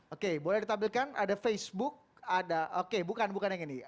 oke boleh ditampilkan ada facebook ada oke bukan bukan yang ini